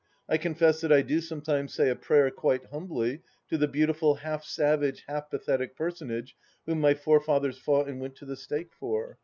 I confess that I do sometimes say a prayer, quite humbly, to the beautiful half savage, half pathetic personage whom my forefathers fought and went to the stake for